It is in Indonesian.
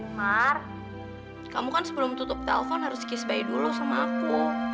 mar kamu kan sebelum tutup telpon harus dikis by dulu sama aku